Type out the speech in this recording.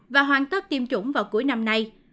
và hoàn tất tiêm chủng vào cuối năm nay